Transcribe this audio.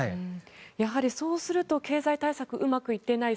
やはりそうすると経済対策、うまくいっていない。